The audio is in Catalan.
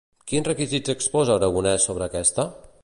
Quins requisits exposa Aragonès sobre aquesta?